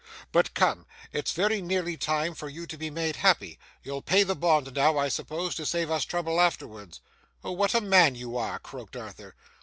But come, it's very nearly time for you to be made happy. You'll pay the bond now, I suppose, to save us trouble afterwards.' 'Oh what a man you are!' croaked Arthur.